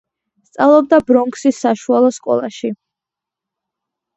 სწავლობდა ბრონქსის საშუალო სკოლაში.